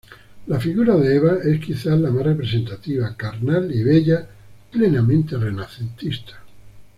La figura de Eva es quizás la más representativa, carnal y bella, plenamente renacentista.